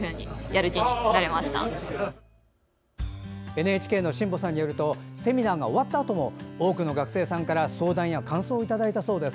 ＮＨＫの新保さんによるとセミナーが終わったあとも多くの学生さんから相談や感想をいただいたそうです。